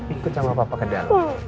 ikut sama papa ke dalam